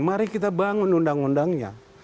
mari kita bangun undang undangnya